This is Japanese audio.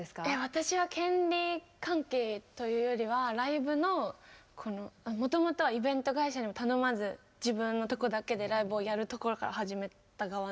私は権利関係というよりはライブのもともとはイベント会社にも頼まず自分のとこだけでライブをやるところから始めた側なので。